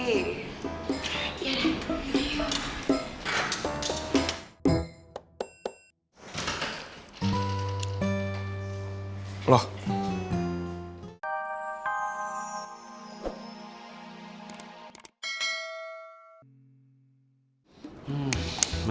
iya deh yuk